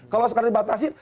kalau sekarang dibatasi